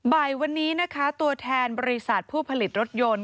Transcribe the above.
บ่ายวันนี้นะคะตัวแทนบริษัทผู้ผลิตรถยนต์